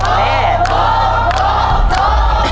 ถูกถูกถูกถูกถูก